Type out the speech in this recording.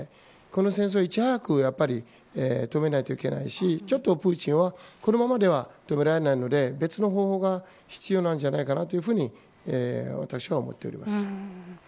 この戦争をいち早く止めないといけないしちょっとプーチンはこのままでは止められないので別の方法が必要なんじゃないかと私は思っています。